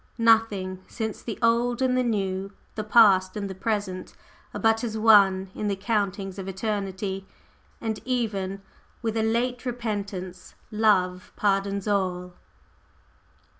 Nothing since the Old and the New, the Past and the Present, are but as one moment in the countings of eternity, and even with a late repentance Love pardons all.